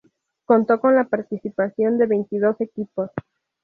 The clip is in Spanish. Contó con la participación de veintidós equipos.